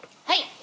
はい。